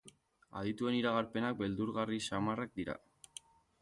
Adituen iragarpenak beldurgarri samarrak dira.